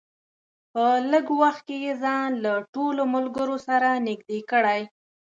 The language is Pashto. په لږ وخت کې یې ځان له ټولو ملګرو سره نږدې کړی.